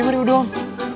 lima ribu doang